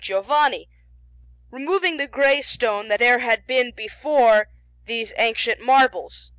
Giovanni, removing the grey stone that there had been before between these ancient marbles.